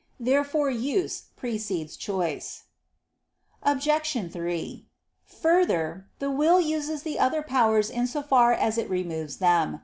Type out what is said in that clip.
Therefore use precedes choice. Obj. 3: Further, the will uses the other powers in so far as it removes them.